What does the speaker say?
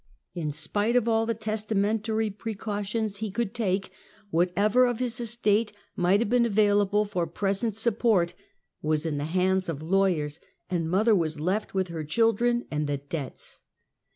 In spite of all the testamentary precautions he could 20 Half a Centuey. take, whatever of his estate might have been available for present support, was in the hands of lawyers, and mother was left with her children and the debts.